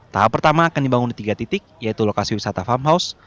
tahap pertama akan dibangun di tiga titik yaitu lokasi wisata farm house